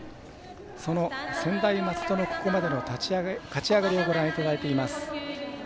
その専大松戸のここまでの勝ち上がりをご覧いただいています。